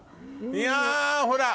いやほら。